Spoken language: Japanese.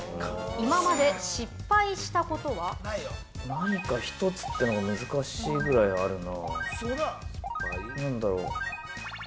何か１つというのが難しいぐらいあるな。